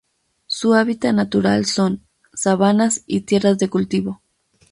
Su hábitat natural son: sabanas y tierras de cultivo.